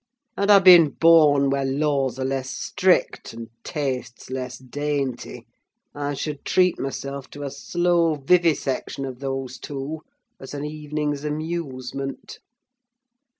Had I been born where laws are less strict and tastes less dainty, I should treat myself to a slow vivisection of those two, as an evening's amusement."